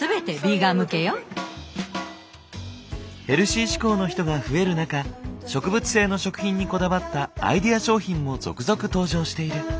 ヘルシー志向の人が増える中植物性の食品にこだわったアイデア商品も続々登場している。